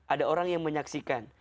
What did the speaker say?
ada orang yang menyaksikan